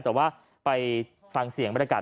แต่ว่าไปฟังเสียงบรรยากาศ